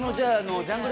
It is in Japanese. ジャングル